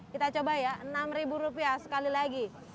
kita coba ya enam rupiah sekali lagi